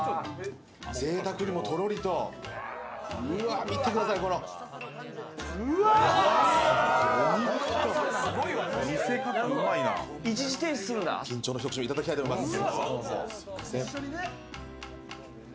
ぜいたくにもとろりと、うわっ、見てください、この緊張の一口目いただきたいと思います。